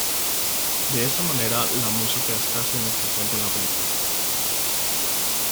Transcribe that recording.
De esa manera la música es casi inexistente en la película.